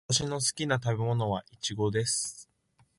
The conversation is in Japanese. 私の好きな食べ物はイチゴです。